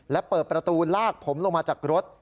และเปิดประตูลากผมลงมาจากรถ